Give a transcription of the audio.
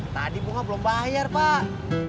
tadi bunga belum bayar pak